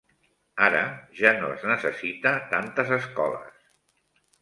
Ara ja no es necessita tantes escoles.